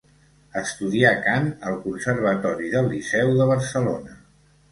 Estudià cant al Conservatori del Liceu de Barcelona.